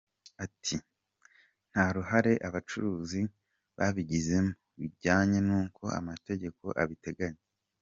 Ati “Nta ruhare abacuruzi babigizemo bijyanye n’uko amategeko abiteganya.